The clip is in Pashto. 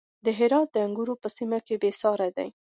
د هرات انګور په سیمه کې بې ساري دي.